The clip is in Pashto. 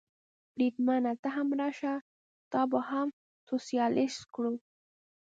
بریدمنه، ته هم راشه، تا به هم سوسیالیست کړو.